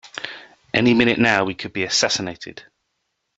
Any minute now we could be assassinated!